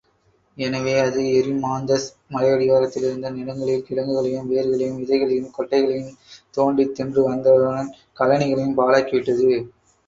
எனவே, அது எரிமாந்தஸ் மலையடிவாரத்திலிருந்த நிலங்களில் கிழங்குகளையும், வேர்களையும், விதைகளையும், கொட்டைகளையும் தோண்டித் தின்று வந்ததுடன், கழனிகளையும் பாழாக்கிவிட்டது.